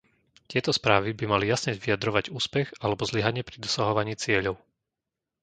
Tieto správy by mali jasne vyjadrovať úspech alebo zlyhanie pri dosahovaní cieľov.